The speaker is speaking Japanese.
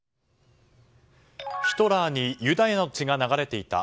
ヒトラーにユダヤの血が流れていた。